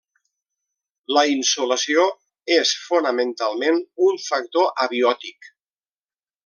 La insolació és fonamentalment un factor abiòtic.